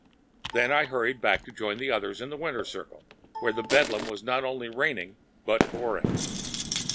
Then I hurried back to join the others in the winner's circle, where bedlam was not only reigning but pouring.